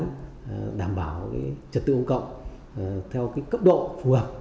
đảm bảo trật tự công cộng theo cấp độ phù hợp